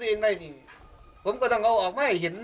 เพราะว่ามีคนมาทำอะไรให้ผมอีก